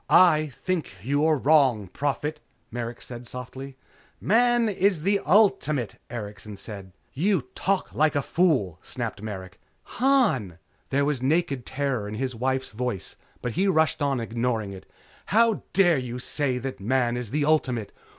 "I think you are wrong, Prophet," Merrick said softly. "Man is the ultimate," Erikson said. "You talk like a fool," snapped Merrick. "Han!" There was naked terror in his wife's voice, but he rushed on, ignoring it. "How dare you say that Man is the ultimate?